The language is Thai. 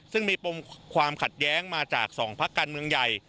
ซึ่งมีปมความขัดแย้งมาจาก๒พักการเมืองใหญ่